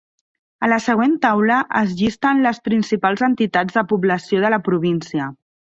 A la següent taula es llisten les principals entitats de població de la província.